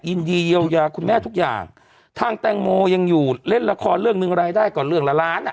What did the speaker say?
ยินดีเยียวยาคุณแม่ทุกอย่างทางแตงโมยังอยู่เล่นละครเรื่องหนึ่งรายได้ก่อนเรื่องละล้านอ่ะ